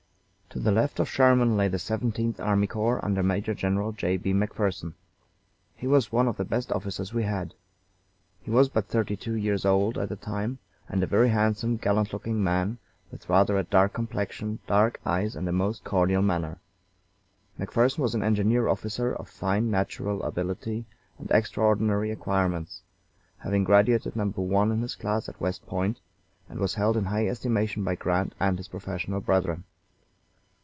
To the left of Sherman lay the Seventeenth Army Corps, under Major General J. B. McPherson. He was one of the best officers we had. He was but thirty two years old at the time, and a very handsome, gallant looking man, with rather a dark complexion, dark eyes, and a most cordial manner. McPherson was an engineer officer of fine natural ability and extraordinary acquirements, having graduated Number One in his class at West Point, and was held in high estimation by Grant and his professional brethren.